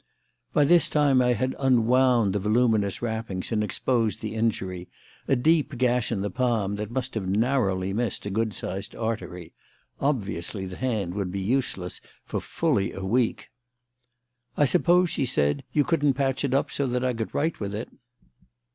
By this time I had unwound the voluminous wrappings and exposed the injury a deep gash in the palm that must have narrowly missed a good sized artery. Obviously the hand would be useless for fully a week. "I suppose," she said, "you couldn't patch it up so that I could write with it?"